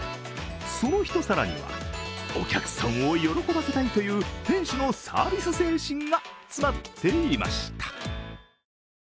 そのひと皿には、お客さんを喜ばせたいという店主のサービス精神が詰まっていました。